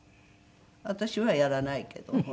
私はやらないけども。